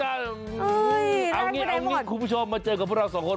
แล้วอย่างนี้คุณผู้ชมเจอกับพวกเรา๒คน